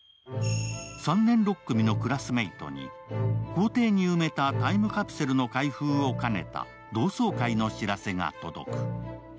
３年６組のクラスメートに校庭に埋めたタイムカプセルの開封を兼ねた同窓会の知らせが届く。